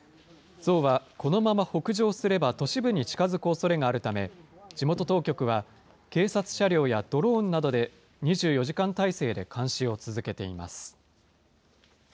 ゾウはこのまま北上すれば、都市部に近づくおそれがあるため、地元当局は、警察車両やドローンなどで２４時間態勢で監視を続けています。